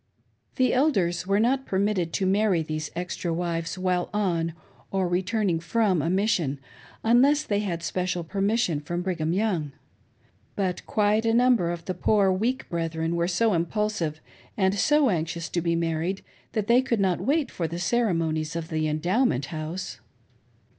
The Elders were not permitted to marry these extra wives while on, or returning from, a mission, unless they had special permission from Brigham Young. But quite a number of the poor weak brethren were so impulsive and so anxious to be married, that they could not wait for the ceremonies of the Endowment House.